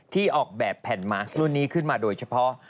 ออกแบบแผ่นมาร์ครุ่นนี้ขึ้นมาโดยเฉพาะ